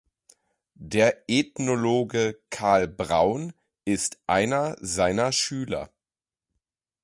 Der Ethnologe Karl Braun ist einer seiner Schüler.